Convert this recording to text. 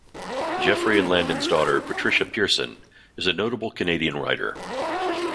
Geoffrey and Landon's daughter Patricia Pearson is a notable Canadian writer.